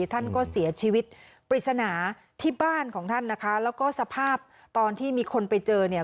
ท่านก็เสียชีวิตปริศนาที่บ้านของท่านนะคะแล้วก็สภาพตอนที่มีคนไปเจอเนี่ย